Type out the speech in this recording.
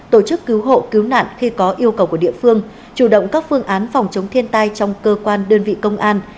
tổ chức cứu hộ cứu nạn khi có yêu cầu của địa phương chủ động các phương án phòng chống thiên tai trong cơ quan đơn vị công an